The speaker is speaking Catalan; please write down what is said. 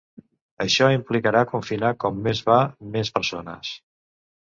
Això implicarà confinar com més va més persones.